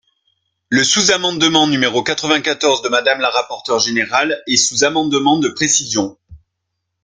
Le sous-amendement numéro quatre-vingt-quatorze de Madame la rapporteure générale est un sous-amendement de précision.